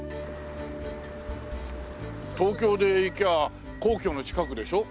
東京でいきゃ皇居の近くでしょ？